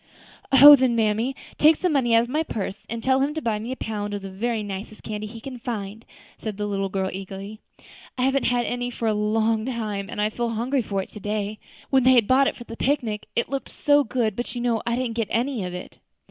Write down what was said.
"Oh! then, mammy, take some money out of my purse, and tell him to buy me a pound of the very nicest candy he can find," said the little girl, eagerly. "I haven't had any for a long time, and I feel hungry for it to day. What they had bought for the picnic looked so good, but you know I didn't get any of it."